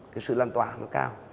cái sự lan tỏa nó cao